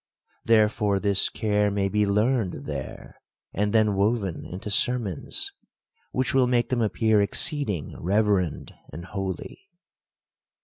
Therefore this care may be learned there, and then woven into sermons; which will make them appear exceeding reverend and holy.